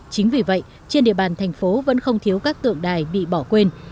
chính vì vậy trên địa bàn thành phố vẫn không thiếu các tượng đài bị bỏ quên